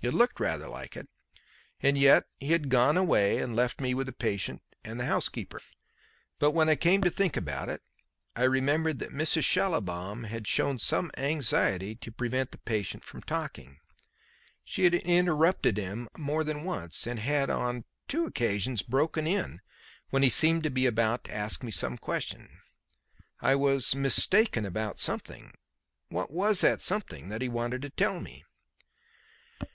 It looked rather like it. And yet he had gone away and left me with the patient and the housekeeper. But when I came to think about it I remembered that Mrs. Schallibaum had shown some anxiety to prevent the patient from talking. She had interrupted him more than once, and had on two occasions broken in when he seemed to be about to ask me some question. I was "mistaken" about something. What was that something that he wanted to tell me?